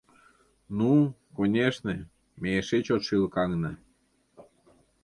Ну, конешне, ме эше чот шӱлыкаҥна.